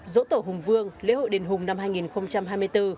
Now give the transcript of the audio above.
dỗ tổ hùng vương lễ hội đền hùng năm hai nghìn hai mươi bốn